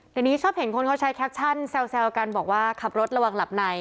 เดี๋ยวนี้ชอบเห็นคนเขาใช้แซวกันบอกว่าขับรถระวังหลับใน